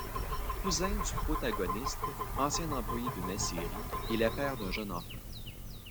Cousin du protagoniste, ancien employé d'une aciérie, il est père d'un jeune enfant.